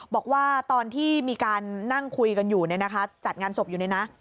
บอกว่าตอนที่มีการนั่งคุยกันอยู่จัดงานศพอยู่เนี่ยนะ